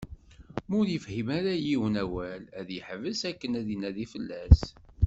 Ma ur yefhim ara yiwen awal ad yeḥbes akken ad inadi fell-as.